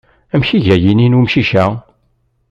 Amek iga yini n umcic-a?